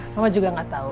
mama juga gak tau